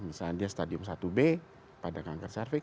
misalnya dia stadium satu b pada kanker cervix